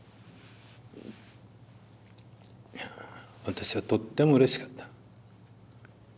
私はとってもうれしかった。